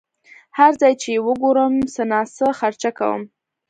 هر ځای چې یې وګورم څه ناڅه خرچه کوم.